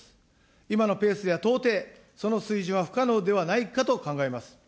今のペースでは到底、その数字は不可能ではないかと考えます。